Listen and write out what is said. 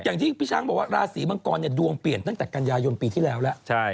อย่างที่พี่ช้างบอกว่าราศีมังกรดวงเปลี่ยนตั้งแต่กันยายนปีที่แล้วแล้ว